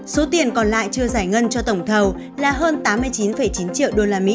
số tiền còn lại chưa giải ngân cho tổng thầu là hơn tám mươi chín chín triệu usd